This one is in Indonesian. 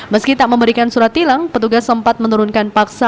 meski tak memberikan surat tilang petugas sempat menurunkan paksa